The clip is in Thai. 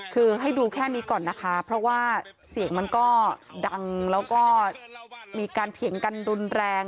คือให้ดูแค่นี้ก่อนนะคะเพราะว่าเสียงมันก็ดังแล้วก็มีการเถียงกันรุนแรง